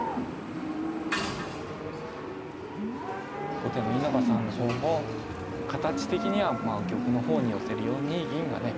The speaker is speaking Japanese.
後手の稲葉さんの方も形的には玉の方に寄せる４二銀がね